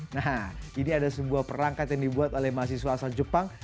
nah ini ada sebuah perangkat yang dibuat oleh mahasiswa asal jepang